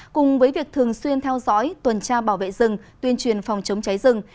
cùng với việc thường xuyên theo dõi tuần tra bảo vệ rừng tuyên truyền phòng chống cháy rừng